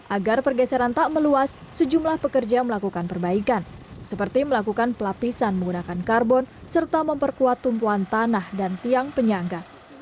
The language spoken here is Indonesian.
agar pergeseran tak meluas sejumlah pekerja melakukan perbaikan seperti melakukan pelapisan menggunakan karbon serta memperkuat tumpuan tanah dan tiang penyangga